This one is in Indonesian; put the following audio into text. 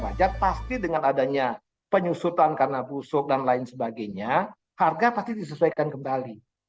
wajar pasti dengan adanya penyusutan karena busuk dan lain sebagainya harga pasti disesuaikan kembali